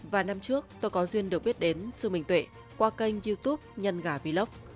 vài năm trước tôi có duyên được biết đến sư minh tuệ qua kênh youtube nhân gà vlog